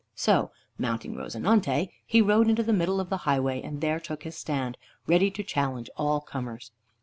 So, mounting "Rozinante" he rode into the middle of the highway and there took his stand, ready to challenge all comers.